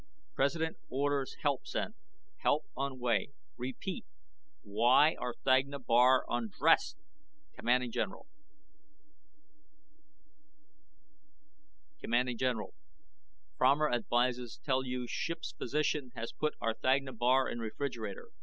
PRESIDENT ORDERS HELP SENT. HELP ON WAY. REPEAT. WHY R'THAGNA BAR UNDRESSED? CMD GENERAL CMD GENERAL FROMER ADVISES TELL YOU SHIPS PHYSICIAN HAS PUT R'THAGNA BAR IN REFRIGERATOR.